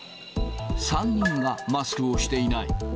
３人がマスクをしていない。